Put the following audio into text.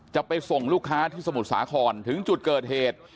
จะไปส่งลูกค้าที่สมุทรสาครถึงจุดเกิดเหตุ